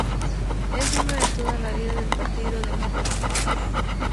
Es miembro de toda la vida del partido demócrata.